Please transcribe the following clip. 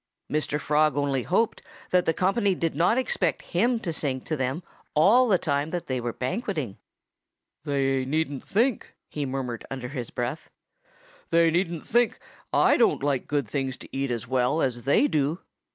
Mr. Frog only hoped that the company did not expect him to sing to them all the time while they were banqueting. "They needn't think " he murmured under his breath "they needn't think I don't like good things to eat as well as they do."